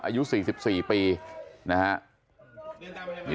อายุ๔๔ปีนะฮะ